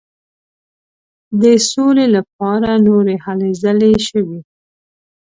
د سولي لپاره نورې هلې ځلې شوې.